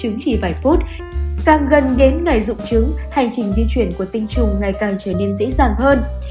chứng chỉ vài phút càng gần đến ngày rụng trứng hành trình di chuyển của tinh trùng ngày càng trở nên dễ dàng hơn